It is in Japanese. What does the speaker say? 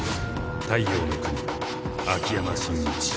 太陽ノ国秋山深一。